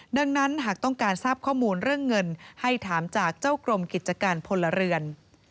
ดังนั้นหากต้องการทราบข้อมูลเรื่องเงินให้ถามจากเจ้ากรมกิจการพลเรือน